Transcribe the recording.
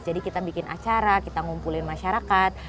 kita bikin acara kita ngumpulin masyarakat